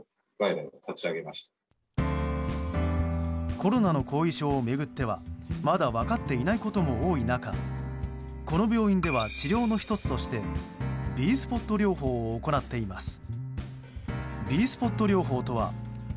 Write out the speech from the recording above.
コロナの後遺症を巡ってはまだ分かっていないことも多い中この病院では、治療の１つとしてＢスポット療法を行っています。